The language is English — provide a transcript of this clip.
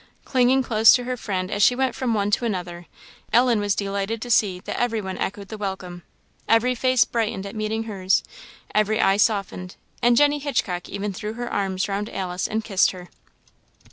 Clinging close to her friend as she went from one to another, Ellen was delighted to see that everyone echoed the welcome. Every face brightened at meeting hers, every eye softened, and Jenny Hitchcock even threw her arms round Alice and kissed her.